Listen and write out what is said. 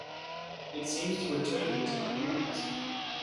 It seems to return me to my duties.